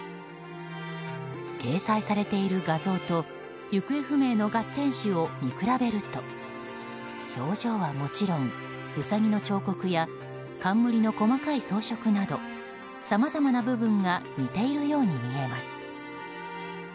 掲載されている画像と行方不明の月天子を見比べると表情はもちろん、ウサギの彫刻や冠の細かい装飾などさまざまな部分が似ているように見えます。